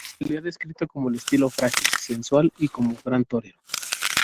Se le ha descrito como de estilo frágil, sensual y como gran torero.